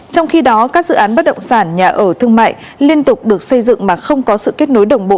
trong khi đó các dự án bất động sản nhà ở thương mại liên tục được xây dựng mà không có sự kết nối đồng bộ